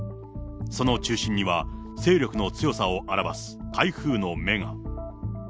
その中心には勢力の強さを表す台風の目が。